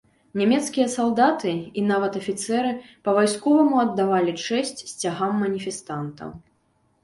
Нямецкія салдаты і нават афіцэры па-вайсковаму аддавалі чэсць сцягам маніфестантаў.